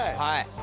はい。